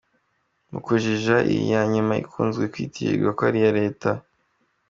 Mukujijisha iyi yanyuma ikunzwe kwitirirwa ko ari iya Leta !!!